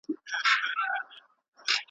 وايي د مُلا کتاب خاص د جنتونو باب.